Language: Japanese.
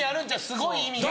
すごい意味が。